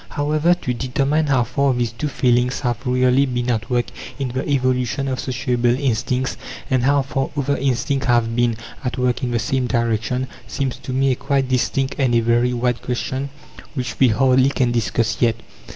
However, to determine how far these two feelings have really been at work in the evolution of sociable instincts, and how far other instincts have been at work in the same direction, seems to me a quite distinct and a very wide question, which we hardly can discuss yet.